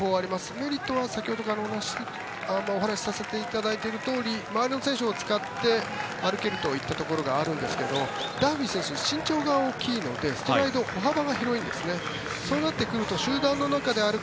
メリットは先ほどからお話しさせていただいているとおり周りの選手を使って歩けるといったところがあるんですけどダンフィー選手身長が大きいのでストライド、歩幅が大きいです。